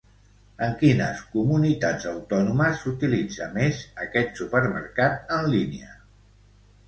En quines comunitats autònomes s'utilitza més aquest supermercat en línia?